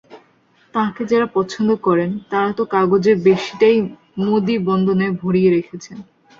তাঁকে যাঁরা পছন্দ করেন, তাঁরা তো কাগজের বেশিটাই মোদি-বন্দনায় ভরিয়ে রেখেছেন।